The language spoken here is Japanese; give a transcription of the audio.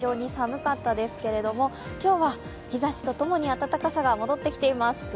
昨日はどんよりして非常に寒かったですけれども、今日は日ざしとともに暖かさが戻ってきています。